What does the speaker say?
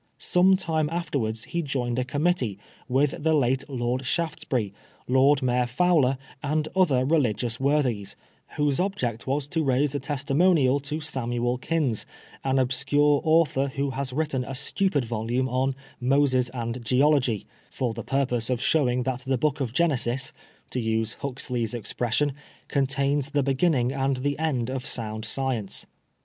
Some time afterwards he joined a committee, with the late Lord Shaftesbury, Lord Mayor Fowler, and other religious worthies, whose object was to raise a testimonial to Samuel Kinns, an obscure author who has written a stupid volume on " Moses and Geology " for the purpose of showing that the book of Genesis, to use Huxley's expression, contains the beginning and the end of sound science.